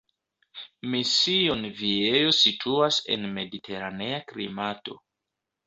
Mission Viejo situas en mediteranea klimato.